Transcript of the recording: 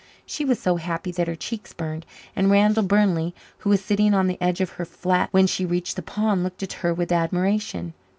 She was so happy that her cheeks burned, and Randall Burnley, who was sitting on the edge of her flat when she reached the pond, looked at her with admiration.